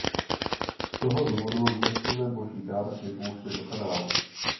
Z toho důvodu nesmíme boží dar vypouštět do kanálu.